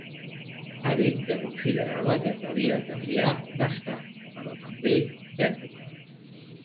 Ha dit que considerava que calia canviar d’estat, però també d’època.